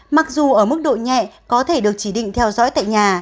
mặc dù ở mức độ nhẹ có thể được chỉ định theo dõi tại nhà